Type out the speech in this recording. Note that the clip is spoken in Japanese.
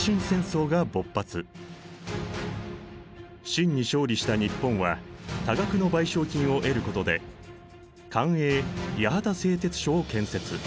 清に勝利した日本は多額の賠償金を得ることで官営八幡製鉄所を建設。